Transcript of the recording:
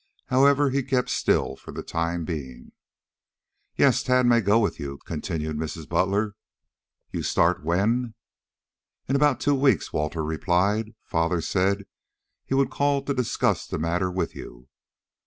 However, he kept still for the time being. "Yes, Tad may go with you," continued Mrs. Butler. "You start when?" "In about two weeks," Walter replied. "Father said he would call to discuss the matter with you."